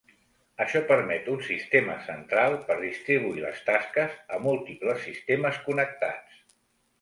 Això permet un sistema central per distribuir les tasques a múltiples sistemes connectats.